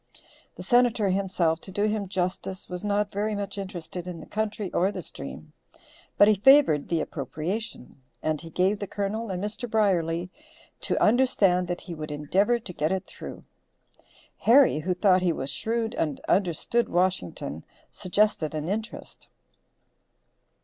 The Senator, himself, to do him justice, was not very much interested in the country or the stream, but he favored the appropriation, and he gave the Colonel and Mr. Brierly to understand that he would endeavor to get it through. Harry, who thought he was shrewd and understood Washington, suggested an interest.